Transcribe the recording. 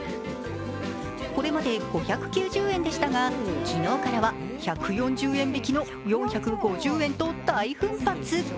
これまで５９０円でしたが昨日からは１４０円引きの４５０円と大奮発。